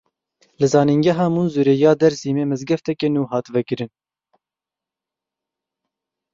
Li Zanîngeha Munzurê ya Dêrsimê mizgefteke nû hat vekirin.